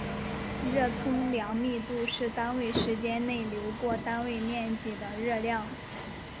热通量密度是单位时间内流过单位面积的热量。